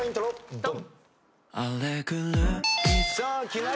ドン！